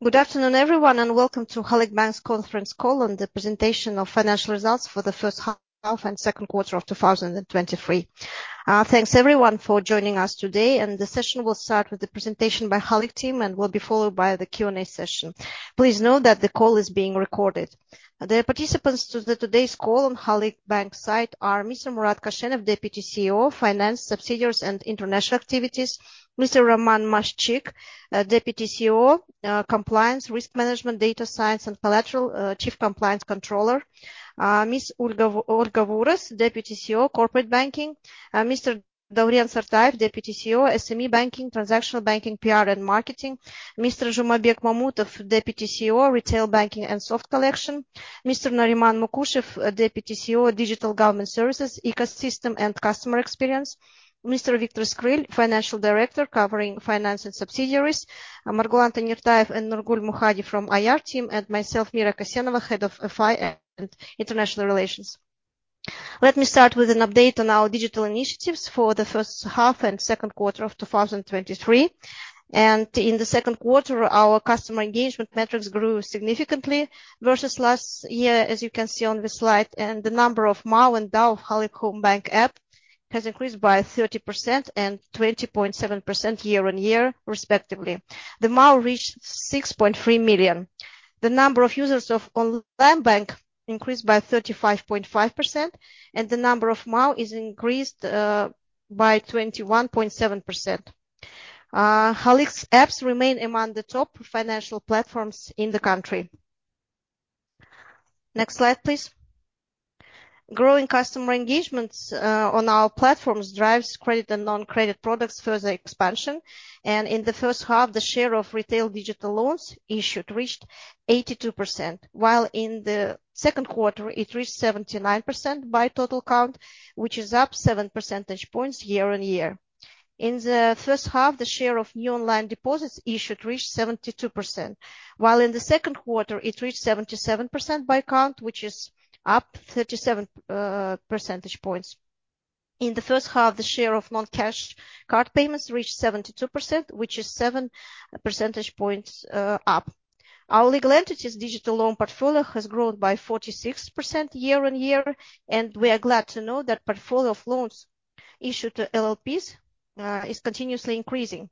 Good afternoon, everyone, and welcome to Halyk Bank's conference call on the presentation of financial results for the first half and second quarter of 2023. Thanks, everyone, for joining us today, and the session will start with the presentation by Halyk team and will be followed by the Q&A session. Please note that the call is being recorded. The participants to the today's call on Halyk Bank side are Mr. Murat Koshenov, Deputy CEO, Finance, Subsidiaries and International Activities; Mr. Roman Maszczyk, Deputy CEO, Compliance, Risk Management, Data Science and Collateral, Chief Compliance Controller; Ms. Olga Vuros, Deputy CEO, Corporate Banking; Mr. Dauren Sartayev, Deputy CEO, SME Banking, Transactional Banking, PR and Marketing; Mr. Zhumabek Mamutov, Deputy CEO, Retail Banking and Soft Collection; Mr. Nariman Mukushev, Deputy CEO, Digital Government Services, Ecosystem and Customer Experience; Mr. Viktor Skryl, Financial Director, covering finance and subsidiaries; Margulan Tanirtayev and Nurgul Mukhadi from IR team, and myself, Mira Kassenova, Head of FI and International Relations. Let me start with an update on our digital initiatives for the first half and second quarter of 2023. In the second quarter, our customer engagement metrics grew significantly versus last year, as you can see on this slide, and the number of MAU and DAU Halyk Homebank app has increased by 30% and 20.7% year-on-year, respectively. The MAU reached 6.3 million. The number of users of online bank increased by 35.5%, and the number of MAU is increased by 21.7%. Halyk's apps remain among the top financial platforms in the country. Next slide, please. Growing customer engagements on our platforms drives credit and non-credit products further expansion, and in the first half, the share of retail digital loans issued reached 82%, while in the second quarter, it reached 79% by total count, which is up 7 percentage points year-over-year. In the first half, the share of new online deposits issued reached 72%, while in the second quarter, it reached 77% by count, which is up 37 percentage points. In the first half, the share of non-cash card payments reached 72%, which is 7 percentage points up. Our legal entities' digital loan portfolio has grown by 46% year-over-year, and we are glad to know that portfolio of loans issued to LLPs is continuously increasing.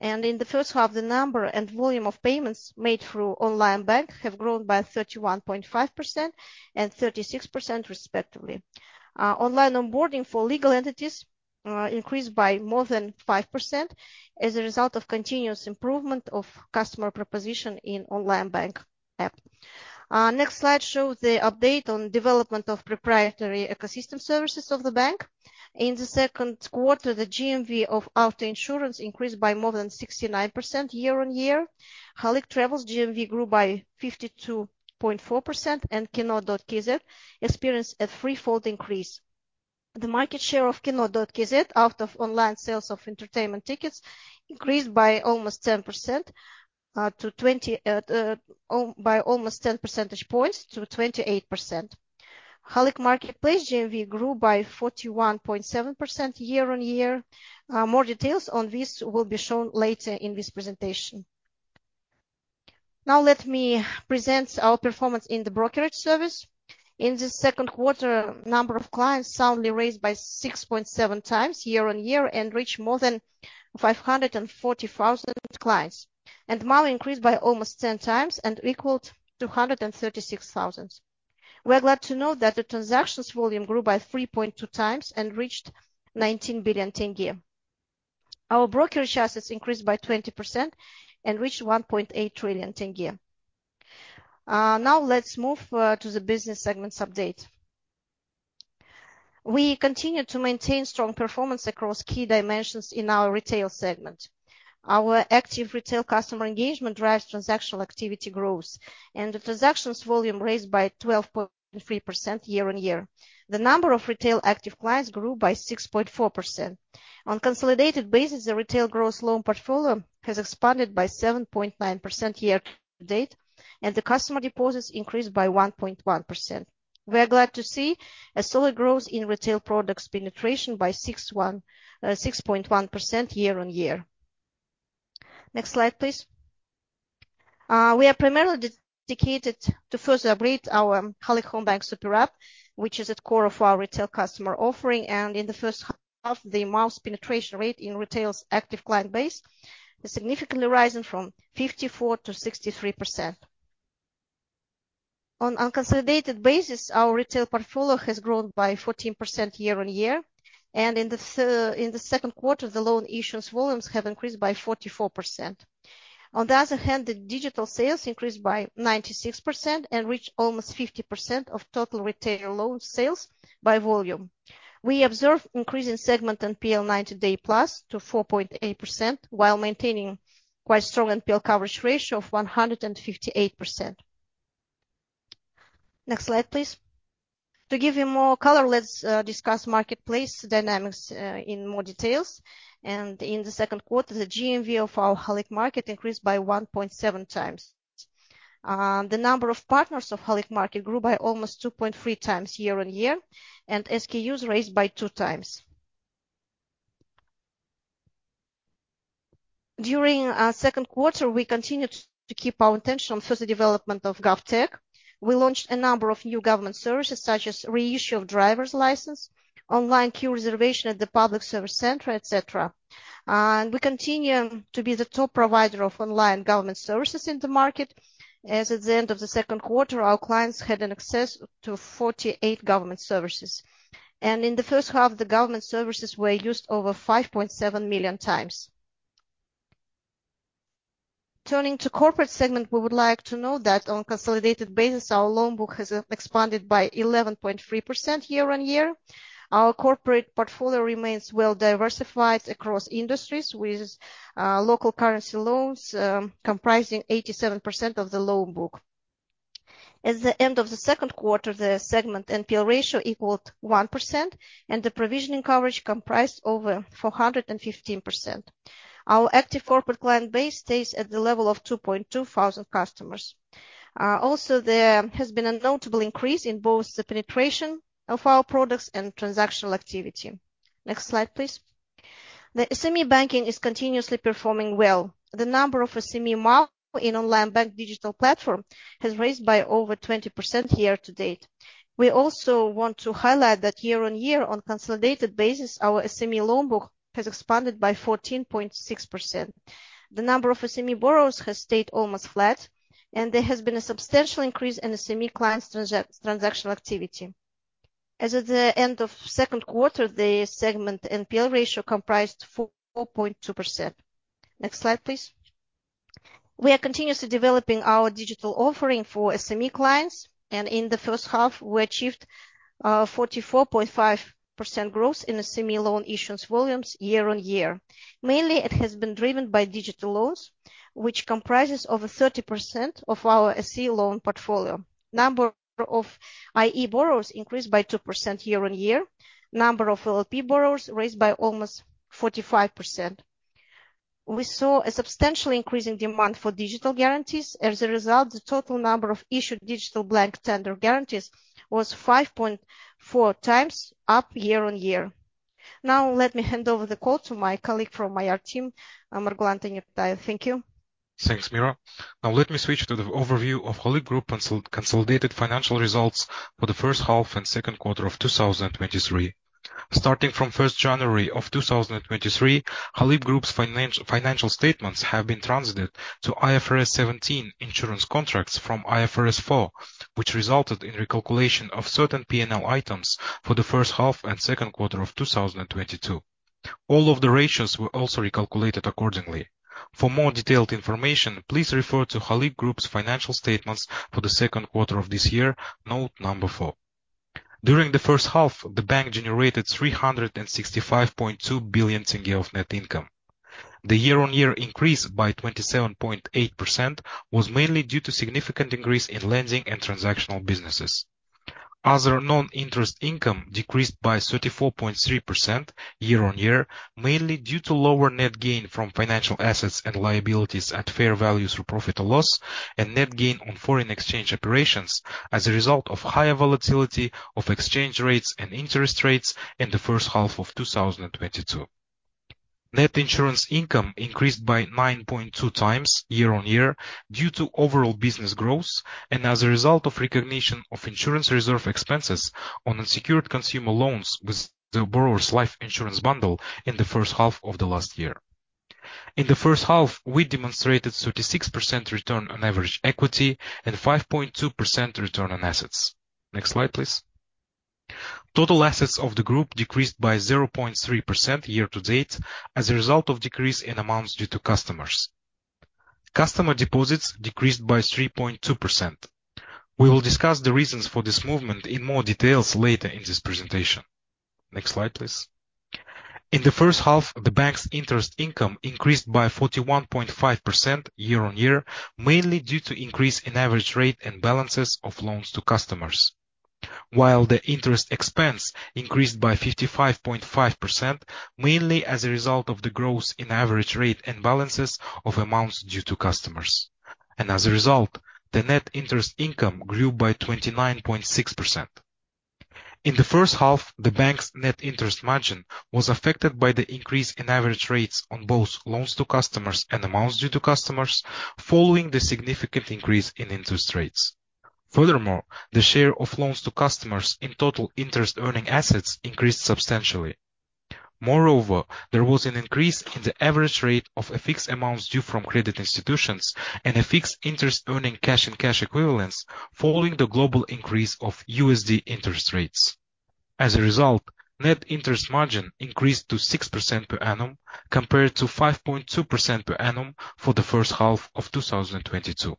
In the first half, the number and volume of payments made through Halyk Onlinebank have grown by 31.5% and 36%, respectively. Online onboarding for legal entities increased by more than 5% as a result of continuous improvement of customer proposition in Halyk Onlinebank app. Next slide shows the update on development of proprietary ecosystem services of the bank. In the second quarter, the GMV of auto insurance increased by more than 69% year-on-year. Halyk Travel GMV grew by 52.4%, and kino.kz experienced a 3x increase. The market share of kino.kz out of online sales of entertainment tickets increased by almost 10%, to 20, by almost 10 percentage points to 28%. Halyk Marketplace GMV grew by 41.7% year-on-year. More details on this will be shown later in this presentation. Let me present our performance in the brokerage service. In the second quarter, number of clients suddenly raised by 6.7x year-over-year and reached more than 540,000 clients. MAU increased by almost 10x and equaled to 136,000. We are glad to know that the transactions volume grew by 3.2x and reached KZT 19 billion. Our brokerage assets increased by 20% and reached KZT 1.8 trillion. Let's move to the business segments update. We continue to maintain strong performance across key dimensions in our retail segment. Our active retail customer engagement drives transactional activity growth. The transactions volume raised by 12.3% year-over-year. The number of retail active clients grew by 6.4%. On consolidated basis, the retail gross loan portfolio has expanded by 7.9% year to date, and the customer deposits increased by 1.1%. We are glad to see a solid growth in retail products penetration by 6.1% year-on-year. Next slide, please. We are primarily dedicated to further upgrade our Halyk Homebank super app, which is at core of our retail customer offering, and in the first half, the MAU penetration rate in retail's active client base is significantly rising from 54%-63%. On unconsolidated basis, our retail portfolio has grown by 14% year-on-year, and in the second quarter, the loan issuance volumes have increased by 44%. On the other hand, the digital sales increased by 96% and reached almost 50% of total retail loan sales by volume. We observed increase in segment NPL 90+ day to 4.8%, while maintaining quite strong NPL coverage ratio of 158%. Next slide, please. To give you more color, let's discuss marketplace dynamics in more details. In the second quarter, the GMV of our Halyk Market increased by 1.7x. The number of partners of Halyk Market grew by almost 2.3x year on year, and SKUs raised by 2x.During second quarter, we continued to keep our attention on further development of GovTech. We launched a number of new government services, such as reissue of driver's license, online queue reservation at the public service center, et cetera. And we continue to be the top provider of online government services in the market. As at the end of the second quarter, our clients had an access to 48 government services. In the first half, the government services were used over 5.7 million times. Turning to corporate segment, we would like to note that on a consolidated basis, our loan book has expanded by 11.3% year-on-year. Our corporate portfolio remains well diversified across industries with local currency loans comprising 87% of the loan book. At the end of the second quarter, the segment NPL ratio equaled 1%, and the provisioning coverage comprised over 415%. Our active corporate client base stays at the level of 2,200 customers. Also, there has been a notable increase in both the penetration of our products and transactional activity. Next slide, please. The SME banking is continuously performing well. The number of SME in Onlinebank digital platform has raised by over 20% year-to-date. We also want to highlight that year-on-year, on consolidated basis, our SME loan book has expanded by 14.6%. The number of SME borrowers has stayed almost flat, and there has been a substantial increase in SME clients transactional activity. As at the end of second quarter, the segment NPL ratio comprised 4.2%. Next slide, please. We are continuously developing our digital offering for SME clients, and in the first half, we achieved 44.5% growth in SME loan issuance volumes year-on-year. Mainly, it has been driven by digital loans, which comprises over 30% of our SME loan portfolio. Number of IE borrowers increased by 2% year-on-year, number of LLP borrowers raised by almost 45%. We saw a substantial increase in demand for digital guarantees. As a result, the total number of issued digital blank tender guarantees was 5.4x up year-on-year. Now, let me hand over the call to my colleague from IR team, Margulan Tanirtayev. Thank you. Thanks, Mira. Now let me switch to the overview of Halyk Group consolidated financial results for the first half and second quarter of 2023. Starting from first January of 2023, Halyk Group's financial statements have been transited to IFRS 17 insurance contracts from IFRS 4, which resulted in recalculation of certain P&L items for the first half and second quarter of 2022. All of the ratios were also recalculated accordingly. For more detailed information, please refer to Halyk Group's financial statements for the second quarter of this year, note 4. During the first half, the bank generated KZT 365.2 billion of net income. The year-on-year increase by 27.8% was mainly due to significant increase in lending and transactional businesses. Other non-interest income decreased by 34.3% year-on-year, mainly due to lower net gain from financial assets and liabilities at fair value through profit or loss, and net gain on foreign exchange operations as a result of higher volatility of exchange rates and interest rates in the first half of 2022. Net insurance income increased by 9.2x year-on-year due to overall business growth and as a result of recognition of insurance reserve expenses on unsecured consumer loans with the borrower's life insurance bundle in the first half of the last year. In the first half, we demonstrated 36% return on average equity and 5.2% return on assets. Next slide, please. Total assets of the group decreased by 0.3% year to date as a result of decrease in amounts due to customers. Customer deposits decreased by 3.2%. We will discuss the reasons for this movement in more details later in this presentation. Next slide, please. In the first half, the bank's interest income increased by 41.5% year-on-year, mainly due to increase in average rate and balances of loans to customers. While the interest expense increased by 55.5%, mainly as a result of the growth in average rate and balances of amounts due to customers. As a result, the net interest income grew by 29.6%. In the first half, the bank's net interest margin was affected by the increase in average rates on both loans to customers and amounts due to customers, following the significant increase in interest rates. Furthermore, the share of loans to customers in total interest-earning assets increased substantially. Moreover, there was an increase in the average rate of FX amounts due from credit institutions and FX interest-earning cash and cash equivalents following the global increase of USD interest rates. As a result, net interest margin increased to 6% per annum compared to 5.2% per annum for the first half of 2022.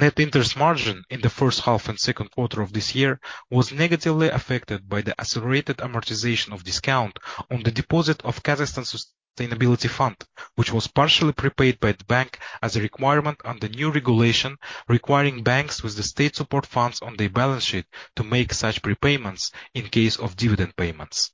Net interest margin in the first half and second quarter of this year was negatively affected by the accelerated amortization of discount on the deposit of Kazakhstan Sustainability Fund, which was partially prepaid by the bank as a requirement under new regulation, requiring banks with the state support funds on their balance sheet to make such prepayments in case of dividend payments.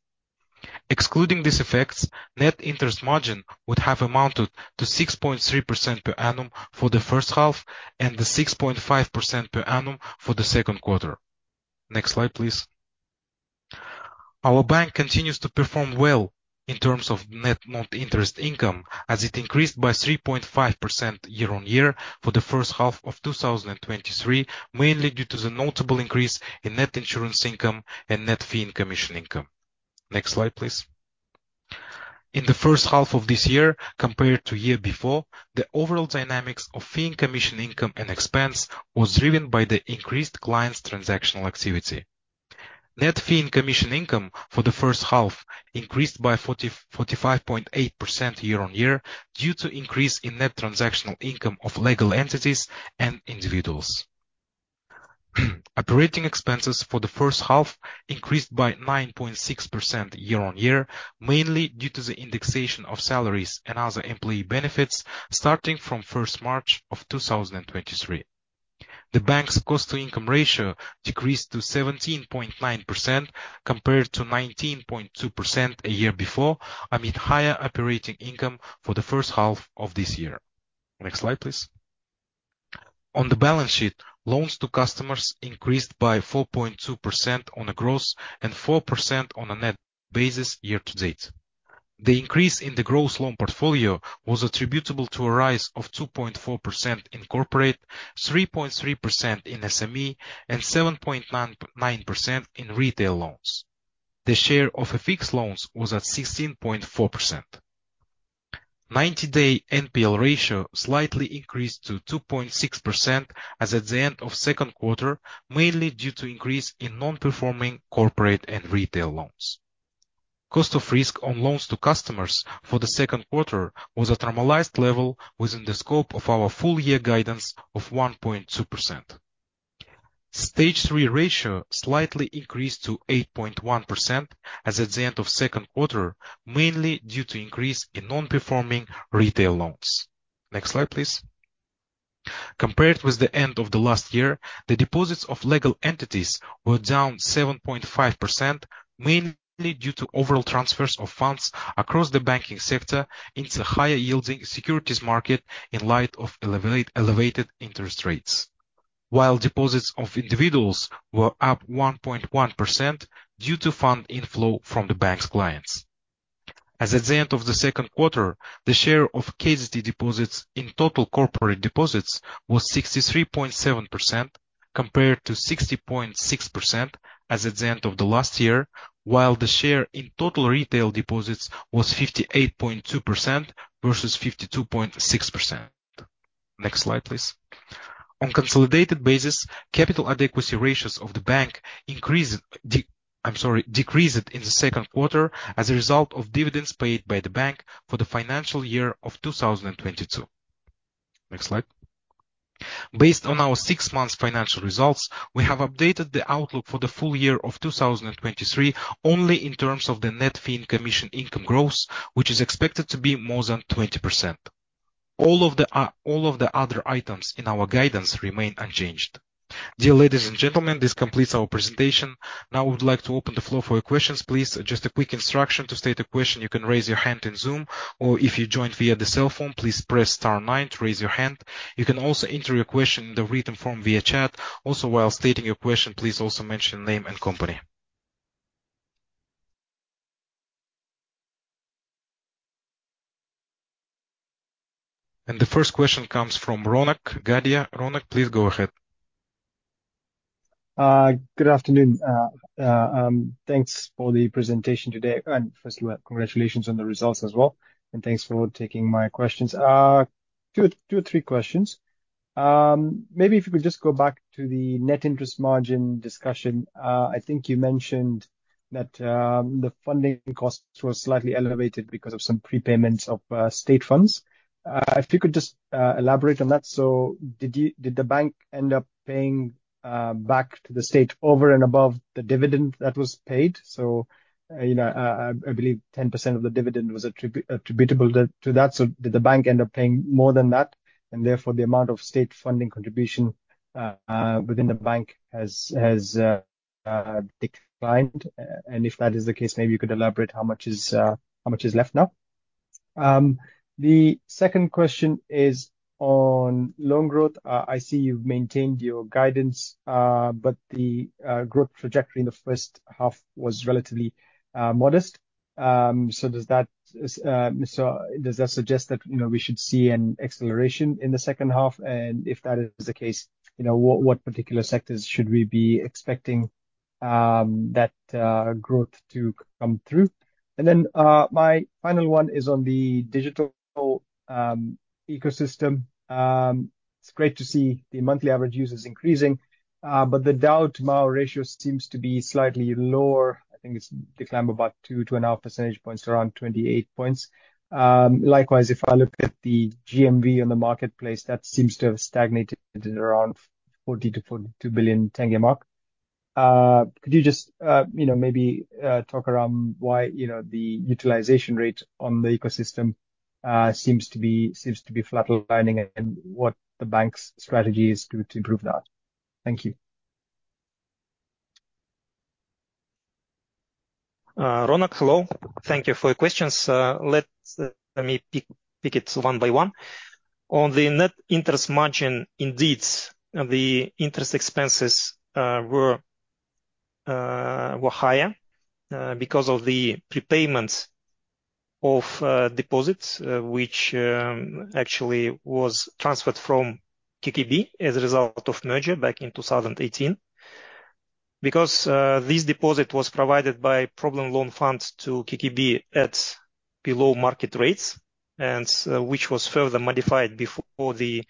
Excluding these effects, net interest margin would have amounted to 6.3% per annum for the first half and 6.5% per annum for the second quarter. Next slide, please. Our bank continues to perform well in terms of net non-interest income, as it increased by 3.5% year-on-year for the first half of 2023, mainly due to the notable increase in net insurance income and net fee and commission income. Next slide, please. In the first half of this year, compared to year before, the overall dynamics of fee and commission income and expense was driven by the increased clients' transactional activity. Net fee and commission income for the first half increased by 45.8% year-on-year due to increase in net transactional income of legal entities and individuals. Operating expenses for the first half increased by 9.6% year-on-year, mainly due to the indexation of salaries and other employee benefits starting from 1st March of 2023. The bank's cost-to-income ratio decreased to 17.9% compared to 19.2% a year before, amid higher operating income for the first half of this year. Next slide, please. On the balance sheet, loans to customers increased by 4.2% on a gross and 4% on a net basis year to date. The increase in the gross loan portfolio was attributable to a rise of 2.4% in corporate, 3.3% in SME, and 7.99% in retail loans. The share of FX loans was at 16.4%. 90-day NPL ratio slightly increased to 2.6% as at the end of second quarter, mainly due to increase in non-performing corporate and retail loans. Cost of risk on loans to customers for the second quarter was a normalized level within the scope of our full year guidance of 1.2%. Stage three ratio slightly increased to 8.1% as at the end of second quarter, mainly due to increase in non-performing retail loans. Next slide, please. Compared with the end of the last year, the deposits of legal entities were down 7.5%, mainly due to overall transfers of funds across the banking sector into the higher-yielding securities market in light of elevated interest rates. Deposits of individuals were up 1.1% due to fund inflow from the bank's clients. As at the end of the second quarter, the share of KZT deposits in total corporate deposits was 63.7%, compared to 60.6% as at the end of the last year, while the share in total retail deposits was 58.2% versus 52.6%. Next slide, please. On consolidated basis, Capital Adequacy Ratios of the bank increased, I'm sorry, decreased in the second quarter as a result of dividends paid by the bank for the financial year of 2022. Next slide. Based on our six months financial results, we have updated the outlook for the full year of 2023, only in terms of the net fee and commission income growth, which is expected to be more than 20%. All of the, all of the other items in our guidance remain unchanged. Dear ladies and gentlemen, this completes our presentation. Now we would like to open the floor for your questions. Please, just a quick instruction: To state a question, you can raise your hand in Zoom, or if you joined via the cell phone, please press star nine to raise your hand. You can also enter your question in the written form via chat. Also, while stating your question, please also mention name and company. The first question comes from Ronak Gadhia. Ronak, please go ahead. Good afternoon. thanks for the presentation today. First of all, congratulations on the results as well, and thanks for taking my questions. two, two or three questions. Maybe if you could just go back to the net interest margin discussion. I think you mentioned that the funding costs were slightly elevated because of some prepayments of state funds. If you could just elaborate on that. Did you-- did the bank end up paying back to the state over and above the dividend that was paid? You know, I believe 10% of the dividend was attrib- attributable to that, so did the bank end up paying more than that, and therefore, the amount of state funding contribution within the bank has, has declined? If that is the case, maybe you could elaborate how much is, how much is left now. The second question is on loan growth. I see you've maintained your guidance, but the growth trajectory in the first half was relatively modest. Does that, so does that suggest that, you know, we should see an acceleration in the second half? If that is the case, you know, what, what particular sectors should we be expecting that growth to come through? My final one is on the digital ecosystem. It's great to see the monthly average users increasing, but the DAU to MAU ratio seems to be slightly lower. I think it's declined about 2.5 percentage points, around 28 points. Likewise, if I look at the GMV on the marketplace, that seems to have stagnated at around KZT 40 billion-KZT 42 billion mark. Could you just, you know, maybe, talk around why, you know, the utilization rate on the ecosystem, seems to be, seems to be flatlining, and what the bank's strategy is to, to improve that? Thank you. Ronak, hello. Thank you for your questions. Let me pick, pick it one by one. On the net interest margin, indeed, the interest expenses were higher because of the prepayments of deposits, which actually was transferred from KKB as a result of merger back in 2018. This deposit was provided by Problem Loans Fund to KKB at below market rates, which was further modified before the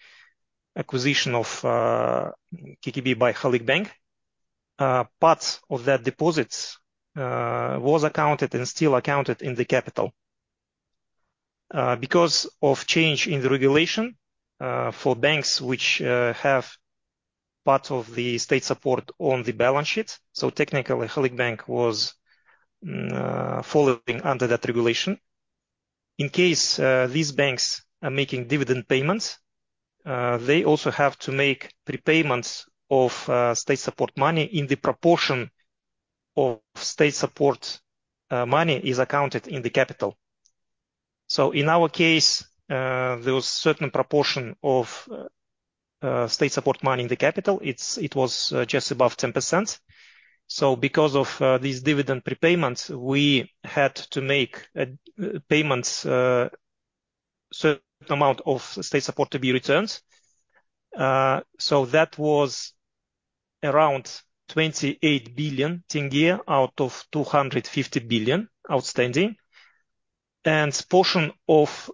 acquisition of KKB by Halyk Bank. Parts of that deposits was accounted and still accounted in the capital. Because of change in the regulation for banks which have part of the state support on the balance sheet, technically, Halyk Bank was falling under that regulation. In case these banks are making dividend payments, they also have to make prepayments of state support money in the proportion of state support money is accounted in the capital. In our case, there was certain proportion of state support money in the capital. It was just above 10%. Because of these dividend prepayments, we had to make payments certain amount of state support to be returned. That was around KZT 28 billion out of KZT 250 billion outstanding. Portion of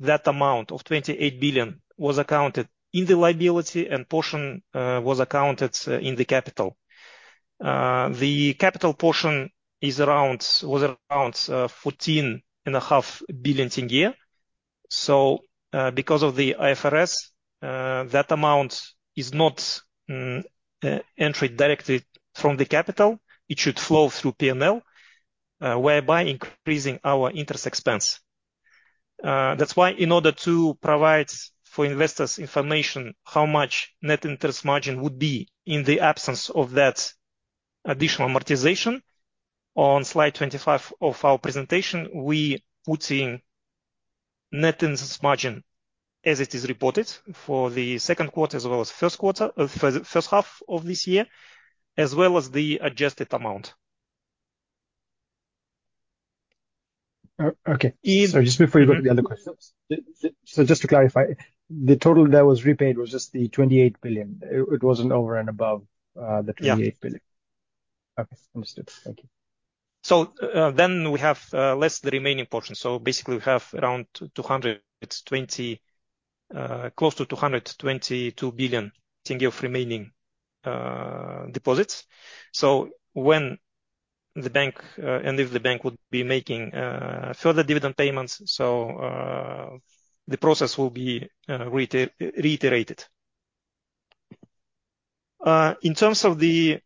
that amount, of KZT 28 billion, was accounted in the liability, and portion was accounted in the capital. The capital portion was around KZT 14.5 billion. Because of the IFRS, that amount is not entered directly from the capital, it should flow through P&L, whereby increasing our interest expense. That's why in order to provide for investors information, how much net interest margin would be in the absence of that additional amortization, on slide 25 of our presentation, we put in net interest margin as it is reported for the second quarter, as well as first quarter, for the first half of this year, as well as the adjusted amount. O-okay. If- Just before you go to the other question. Just to clarify, the total that was repaid was just the KZT 28 billion? It, it wasn't over and above. Yeah. the KZT 28 billion. Okay, understood. Thank you. We have less the remaining portion. Basically, we have around KZT 220 billion, close to KZT 222 billion of remaining deposits. When the bank, and if the bank would be making further dividend payments, the process will be reiterated. In terms of the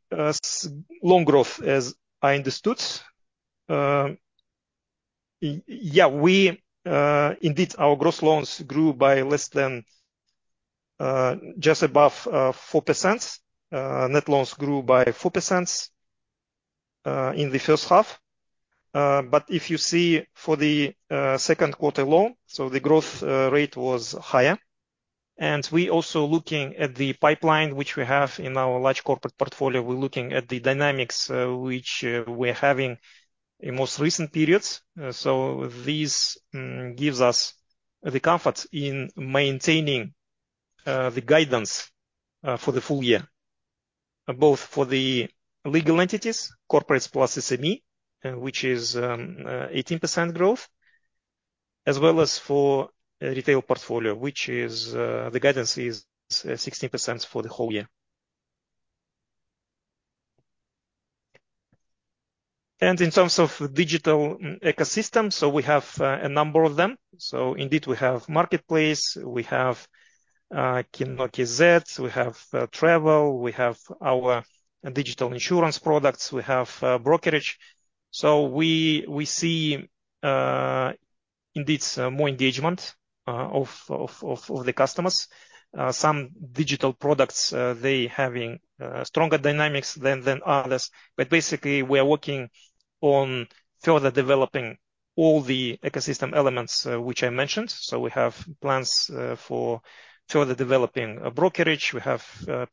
loan growth, as I understood, we. Indeed, our gross loans grew by less than, just above, 4%. Net loans grew by 4% in the first half. If you see for the second quarter loan, the growth rate was higher. We also looking at the pipeline, which we have in our large corporate portfolio, we're looking at the dynamics, which we're having in most recent periods. This gives us the comfort in maintaining the guidance for the full year, both for the legal entities, corporates plus SME, which is 18% growth, as well as for retail portfolio, which is the guidance is 16% for the whole year. In terms of digital ecosystem, we have a number of them. Indeed, we have marketplace, we have kino.kz, we have travel, we have our digital insurance products, we have brokerage. We, we see indeed more engagement of, of, of, of the customers. Some digital products, they having stronger dynamics than, than others. Basically, we are working on further developing all the ecosystem elements which I mentioned. We have plans for further developing a brokerage. We have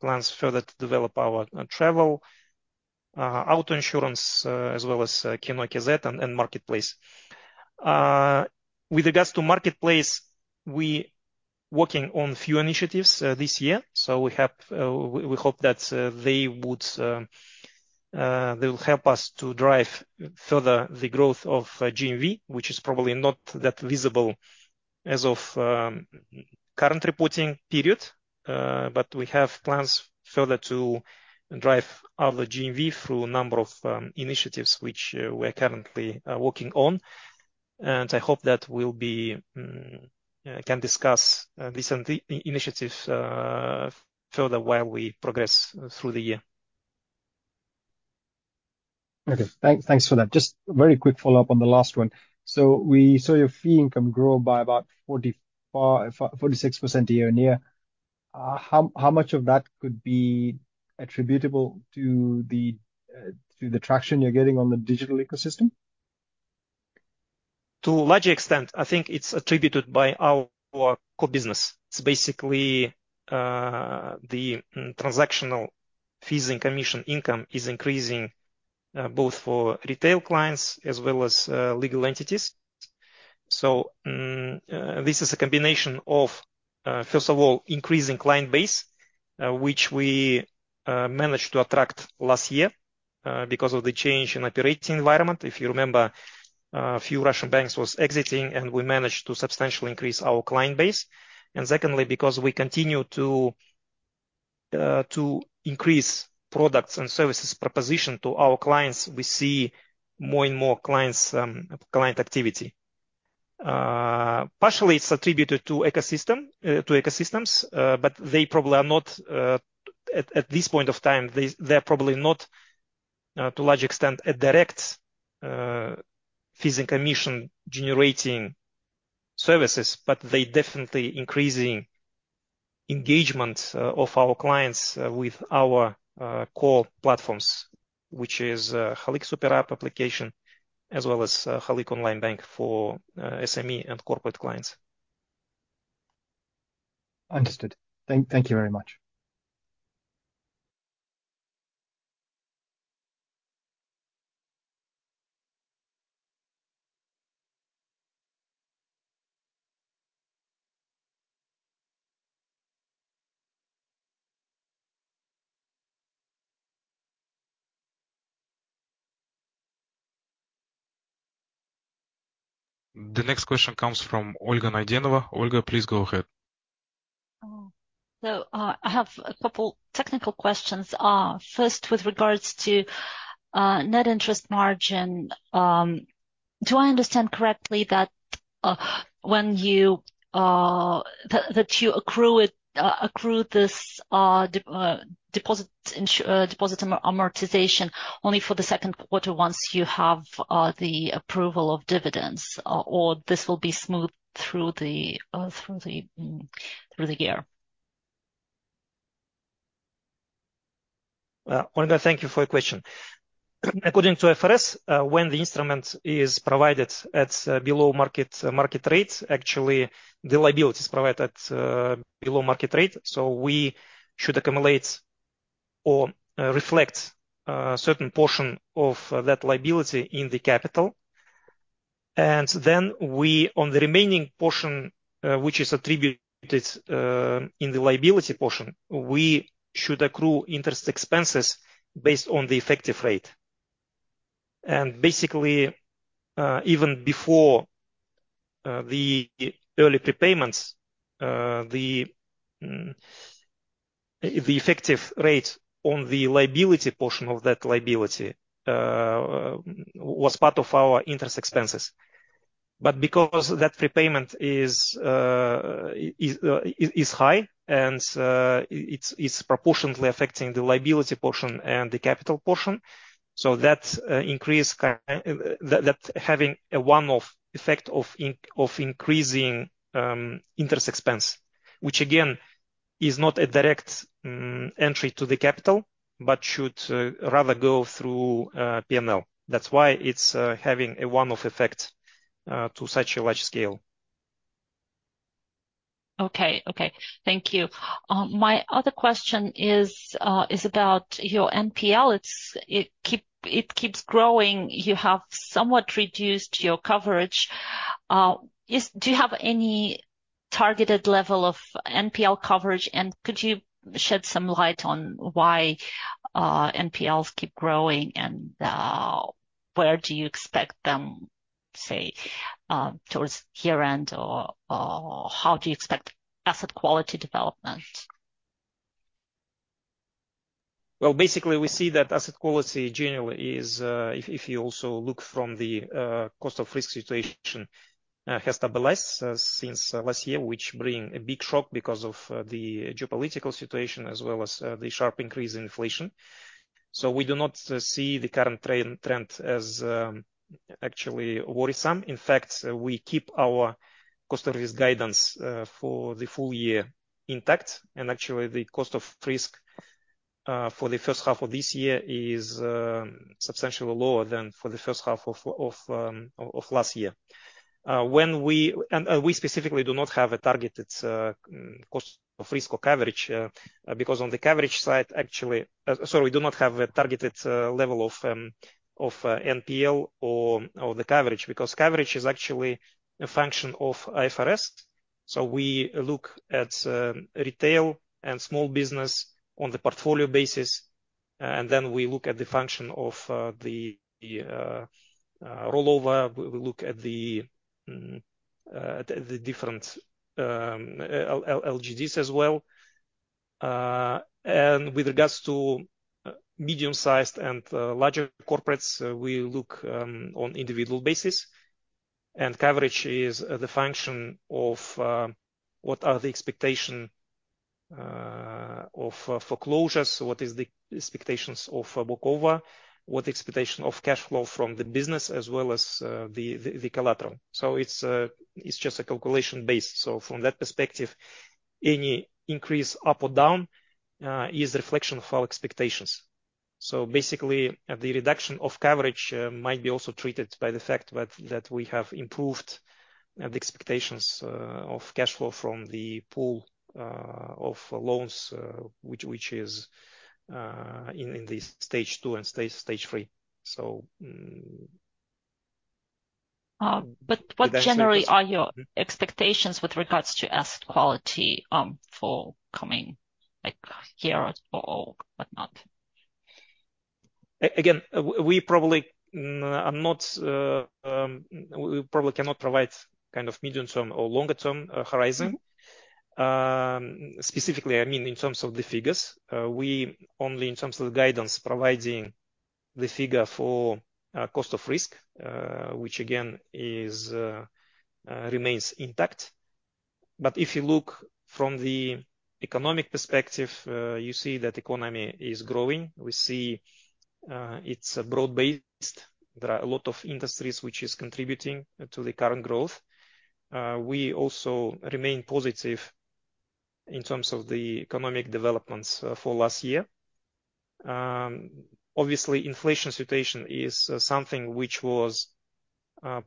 plans further to develop our travel, auto insurance, as well as kino.kz and marketplace. With regards to marketplace, we working on few initiatives this year, so we have we hope that they would they will help us to drive further the growth of GMV, which is probably not that visible as of current reporting period. We have plans further to drive other GMV through a number of initiatives, which we're currently working on. I hope that we'll be can discuss these initiatives further while we progress through the year. Okay. Thank, thanks for that. Just a very quick follow-up on the last one. We saw your fee income grow by about 46% year-on-year. How, how much of that could be attributable to the, to the traction you're getting on the digital ecosystem? To a large extent, I think it's attributed by our core business. It's basically, the transactional fees and commission income is increasing, both for retail clients as well as legal entities. This is a combination of, first of all, increasing client base, which we managed to attract last year, because of the change in operating environment. If you remember, a few Russian banks was exiting, and we managed to substantially increase our client base. Secondly, because we continue to increase products and services proposition to our clients, we see more and more clients, client activity. Partially, it's attributed to ecosystem, to ecosystems, but they probably are not... At this point of time, they, they're probably not, to a large extent, a direct, fees and commission generating services, but they definitely increasing engagement, of our clients, with our, core platforms, which is, Halyk super app application, as well as, Halyk Onlinebank for, SME and corporate clients. Understood. Thank you very much. The next question comes from Olga Naidenova. Olga, please go ahead. I have a couple technical questions. First, with regards to net interest margin, do I understand correctly that when you that that you accrue it, accrue this deposit amortization only for the second quarter, once you have the approval of dividends, or this will be smooth through the through the year? Olga, thank you for your question. According to IFRS, when the instrument is provided at below market, market rates, actually, the liability is provided at below market rate, we should accumulate or reflect certain portion of that liability in the capital. Then we, on the remaining portion, which is attributed in the liability portion, we should accrue interest expenses based on the effective rate. Basically, even before the early prepayments, the effective rate on the liability portion of that liability, was part of our interest expenses. Because that prepayment is high and it's proportionately affecting the liability portion and the capital portion, so that increase that having a one-off effect of increasing interest expense. Which again, is not a direct entry to the capital, but should rather go through P&L. That's why it's having a one-off effect to such a large scale. Okay, okay. Thank you. My other question is, is about your NPL. It's, it keeps growing. You have somewhat reduced your coverage. Do you have any targeted level of NPL coverage? And could you shed some light on why NPLs keep growing, and where do you expect them, say, towards year-end, or, or how do you expect asset quality development? Well, basically, we see that asset quality generally is, if, if you also look from the cost of risk situation, has stabilized since last year, which bring a big shock because of the geopolitical situation, as well as the sharp increase in inflation. We do not see the current trend, trend as actually worrisome. In fact, we keep our cost of risk guidance for the full year intact, and actually, the cost of risk for the first half of this year is substantially lower than for the first half of, of, of, of last year. When we... And we specifically do not have a targeted cost of risk or coverage, because on the coverage side, actually. Sorry, we do not have a targeted level of NPL or the coverage, because coverage is actually a function of IFRS. We look at retail and small business on the portfolio basis, and then we look at the function of the rollover. We look at the different LGDs as well. With regards to medium-sized and larger corporates, we look on individual basis, and coverage is the function of what are the expectation of foreclosures, what is the expectations of book over, what expectation of cash flow from the business as well as the collateral. It's, it's just a calculation base. From that perspective, any increase up or down, is a reflection of our expectations. Basically, at the reduction of coverage, might be also treated by the fact that, that we have improved, the expectations, of cash flow from the pool, of loans, which, which is, in, in the Stage two and Stage three. Then say just- What generally are your expectations with regards to asset quality, for coming, year or whatnot? Again, we probably are not, we probably cannot provide kind of medium-term or longer-term horizon. Specifically, I mean, in terms of the figures. We only in terms of the guidance, providing the figure for cost of risk, which again, is remains intact. If you look from the economic perspective, you see that economy is growing. We see, it's broad-based. There are a lot of industries which is contributing to the current growth. We also remain positive in terms of the economic developments for last year. Obviously, inflation situation is something which was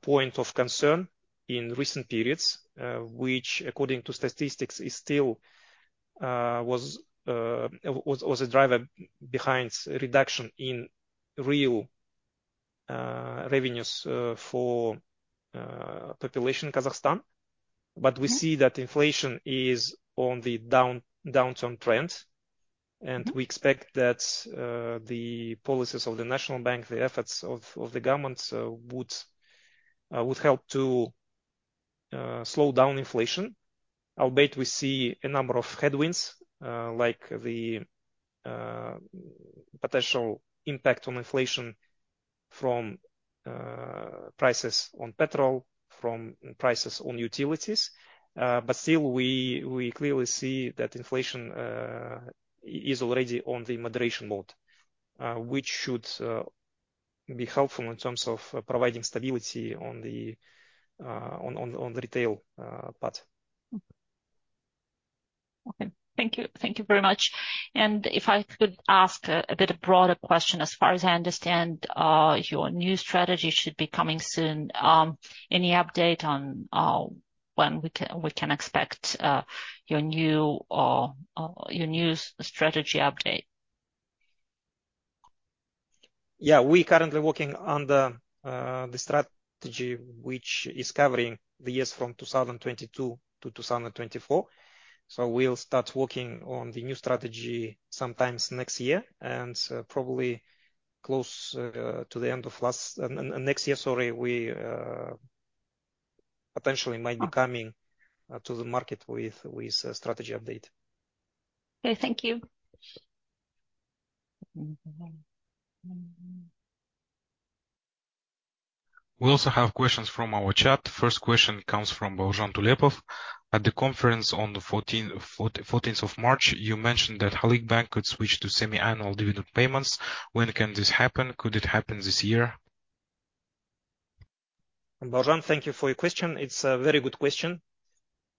point of concern in recent periods, which, according to statistics, is still was was a driver behind reduction in real revenues for population Kazakhstan. Mm-hmm. We see that inflation is on the downtrend trend. Mm-hmm. We expect that the policies of the National Bank, the efforts of the government, would would help to slow down inflation. Albeit we see a number of headwinds, like the potential impact on inflation from prices on petrol, from prices on utilities. Still, we, we clearly see that inflation is already on the moderation mode, which should be helpful in terms of providing stability on the on on on the retail part. Okay. Thank you. Thank you very much. If I could ask a bit broader question. As far as I understand, your new strategy should be coming soon. Any update on when we can, we can expect your new, your new strategy update? Yeah. We're currently working on the, the strategy, which is covering the years from 2022 to 2024. We'll start working on the new strategy sometimes next year, and, probably close, to the end of next year, sorry, we, potentially might be. Okay... coming to the market with, with a strategy update. Okay, thank you. We also have questions from our chat. First question comes from Baurzhan Tulepov: At the conference on the 14th of March, you mentioned that Halyk Bank could switch to semi-annual dividend payments. When can this happen? Could it happen this year? Baurzhan, thank you for your question. It's a very good question.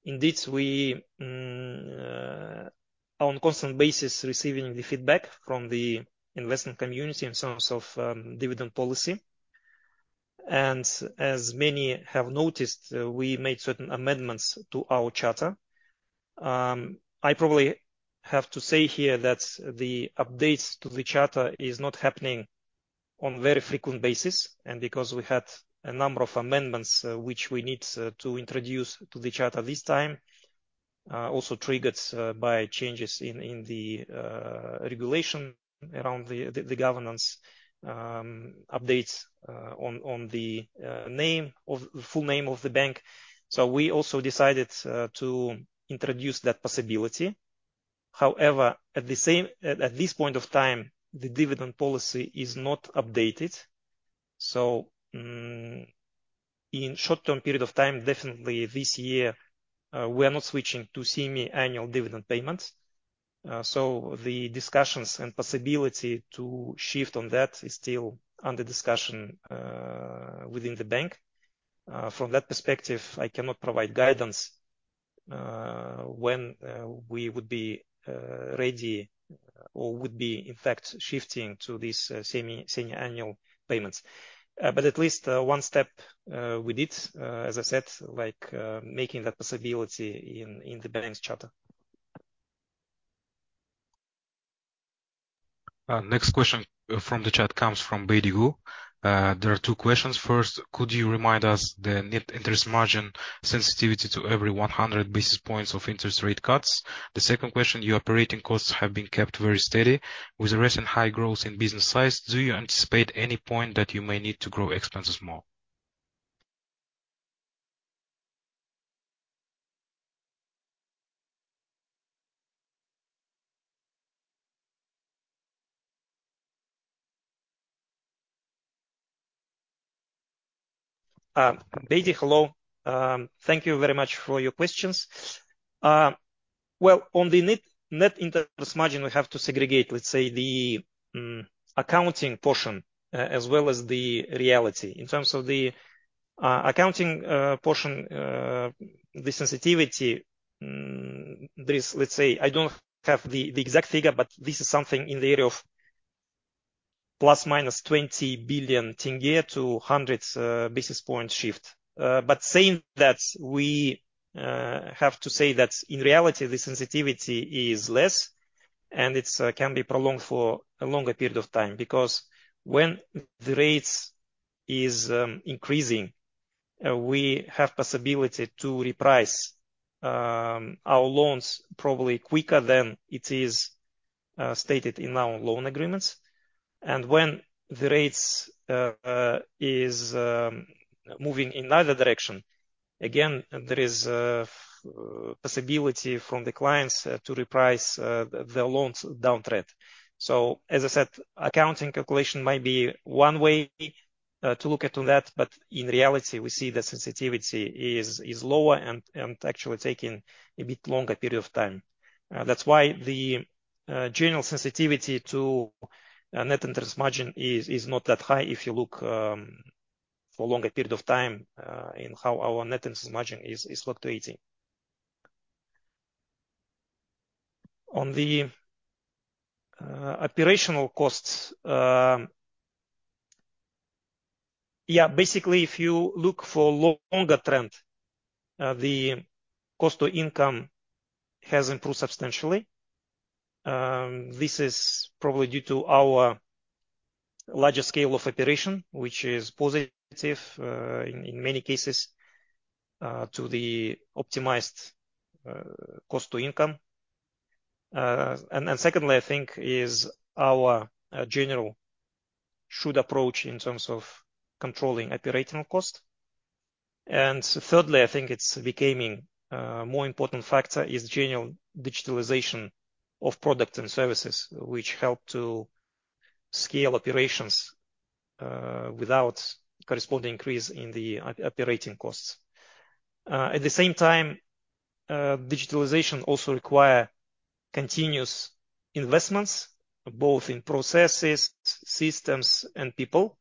Indeed, we on constant basis, receiving the feedback from the investment community in terms of dividend policy. As many have noticed, we made certain amendments to our charter. I probably have to say here that the updates to the charter is not happening on very frequent basis, because we had a number of amendments, which we need to introduce to the charter this time, also triggered by changes in, in the regulation around the, the, the governance updates on, on the full name of the bank. We also decided to introduce that possibility. However, at this point of time, the dividend policy is not updated. In short-term period of time, definitely this year, we are not switching to semi-annual dividend payments. The discussions and possibility to shift on that is still under discussion within the bank. From that perspective, I cannot provide guidance when we would be ready or would be, in fact, shifting to these semi-annual payments. But at least one step we did, as I said, like, making that possibility in the bank's charter. Next question from the chat comes from Baidihu. There are two questions. First, could you remind us the net interest margin sensitivity to every 100 basis points of interest rate cuts? The second question, your operating costs have been kept very steady. With the recent high growth in business size, do you anticipate any point that you may need to grow expenses more? Baidihu, hello. Thank you very much for your questions. Well, on the net, net interest margin, we have to segregate, let's say, the accounting portion, as well as the reality. In terms of the accounting portion, the sensitivity, there is-- let's say, I don't have the exact figure, but this is something in the area of ±KZT 20 billion to 100 basis points shift. But saying that, we have to say that in reality, the sensitivity is less, and it's can be prolonged for a longer period of time. Because when the rates is increasing, we have possibility to reprice our loans probably quicker than it is stated in our loan agreements. When the rates is moving in either direction, again, there is possibility from the clients to reprice the loans down thread. As I said, accounting calculation might be one way to look at on that, but in reality, we see the sensitivity is lower and actually taking a bit longer period of time. That's why the general sensitivity to net interest margin is not that high if you look for a longer period of time in how our net interest margin is fluctuating. On the operational costs, if you look for longer trend, the cost to income has improved substantially. This is probably due to our larger scale of operation, which is positive in many cases to the optimized cost to income. Secondly, I think is our general should approach in terms of controlling operational cost. Thirdly, I think it's becoming more important factor is general digitalization of product and services, which help to scale operations without corresponding increase in the operating costs. At the same time, digitalization also require continuous investments, both in processes, systems, and people.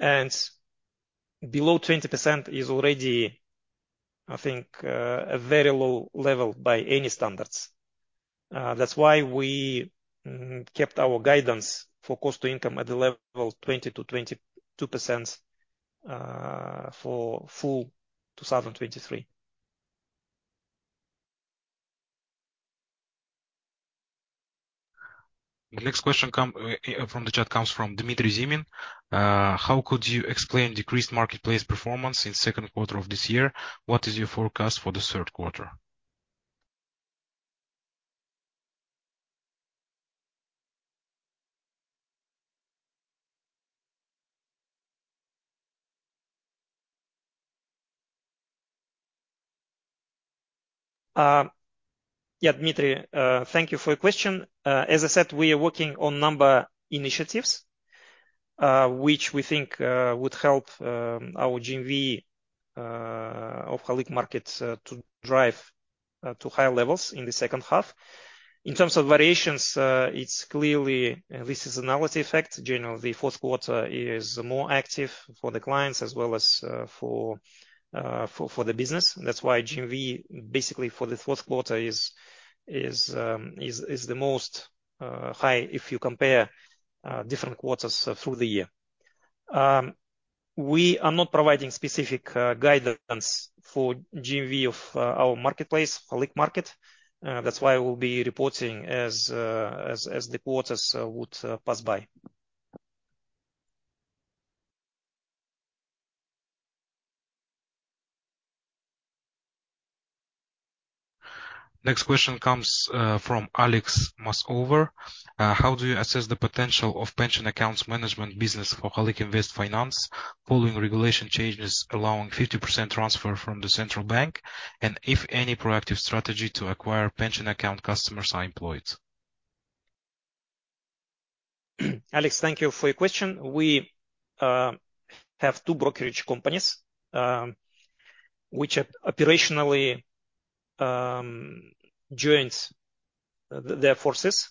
Below 20% is already, I think, a very low level by any standards. That's why we kept our guidance for cost to income at the level of 20%-22% for full 2023. The next question from the chat comes from Dmitry Zimin. How could you explain decreased marketplace performance in second quarter of this year? What is your forecast for the third quarter? Yeah, Dmitry, thank you for your question. As I said, we are working on number initiatives, which we think would help our GMV of Halyk Market to drive to higher levels in the second half. In terms of variations, it's clearly, this is a novelty effect. Generally, the fourth quarter is more active for the clients as well as for, for the business. That's why GMV, basically, for the fourth quarter is, is, is the most high if you compare different quarters through the year. We are not providing specific guidance for GMV of our marketplace, Halyk Market. That's why we'll be reporting as, as the quarters would pass by. Next question comes from Alexey Molchanov. How do you assess the potential of pension accounts management business for Halyk Finance following regulation changes allowing 50% transfer from the National Bank of Kazakhstan, and if any proactive strategy to acquire pension account customers are employed? Alex, thank you for your question. We have two brokerage companies, which are operationally joined their forces.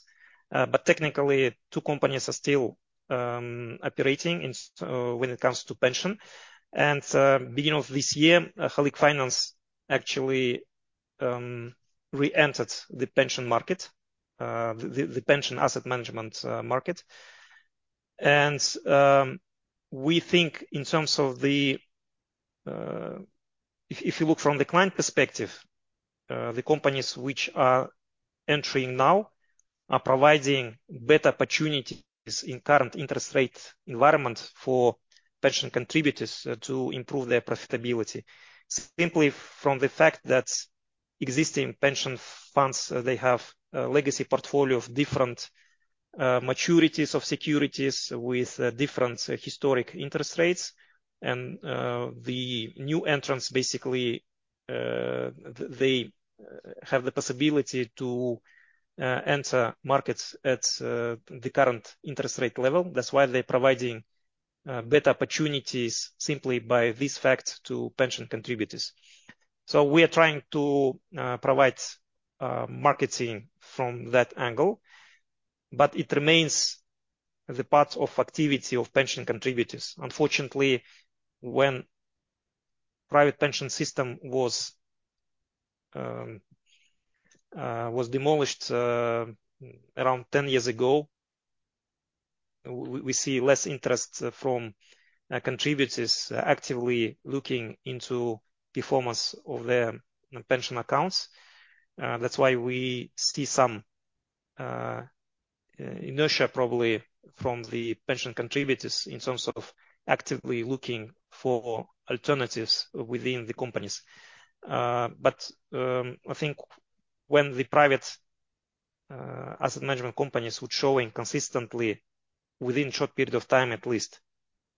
Technically, two companies are still operating when it comes to pension. Beginning of this year, Halyk Finance actually re-entered the pension market, the pension asset management market. We think in terms of the... If you look from the client perspective, the companies which are entering now are providing better opportunities in current interest rate environment for pension contributors to improve their profitability. Simply from the fact that existing pension funds, they have a legacy portfolio of different maturities of securities with different historic interest rates. The new entrants, basically, they have the possibility to enter markets at the current interest rate level. That's why they're providing better opportunities simply by this fact to pension contributors. We are trying to provide marketing from that angle, but it remains the part of activity of pension contributors. Unfortunately, when private pension system was demolished around 10 years ago, we see less interest from contributors actively looking into performance of their pension accounts. That's why we see some inertia probably from the pension contributors in terms of actively looking for alternatives within the companies. I think when the private asset management companies would showing consistently, within short period of time, at least,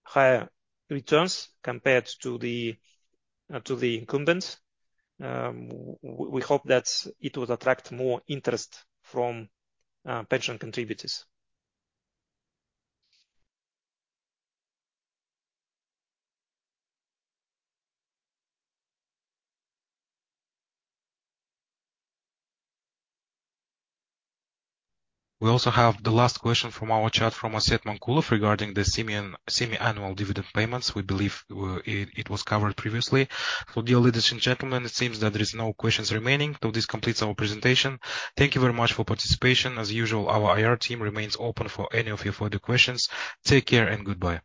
higher returns compared to the to the incumbents, we hope that it would attract more interest from pension contributors. We also have the last question from our chat from Asset Magulov regarding the semiannual dividend payments. We believe it, it was covered previously. For dear ladies and gentlemen, it seems that there is no questions remaining. This completes our presentation. Thank you very much for participation. As usual, our IR team remains open for any of your further questions. Take care and goodbye.